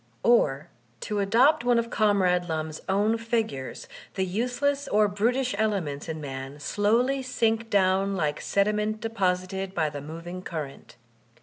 Or, to adopt one of Comrade Lum's own figures, the useless or brutish elements in man slowly sink down like sediment deposited by the moving current.